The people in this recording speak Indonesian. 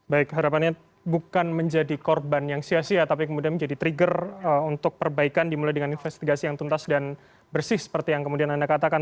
baik harapannya bukan menjadi korban yang sia sia tapi kemudian menjadi trigger untuk perbaikan dimulai dengan investigasi yang tuntas dan bersih seperti yang kemudian anda katakan